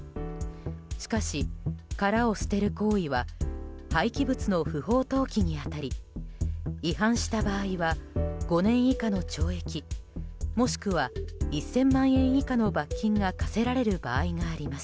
しかし、殻を捨てる行為は廃棄物の不法投棄に当たり違反した場合は５年以下の懲役もしくは１０００万円以下の罰金が科せられる場合があります。